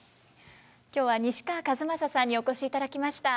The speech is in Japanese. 今日は西川千雅さんにお越しいただきました。